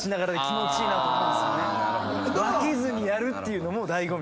分けずにやるってのも醍醐味。